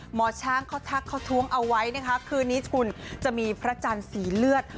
หมอช้างเขาทักเขาท้วงเอาไว้นะคะคืนนี้คุณจะมีพระจันทร์สีเลือด